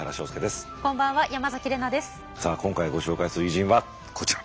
今回ご紹介する偉人はこちら。